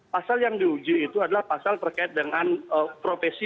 pasal yang diuji itu adalah pasal terkait dengan profesi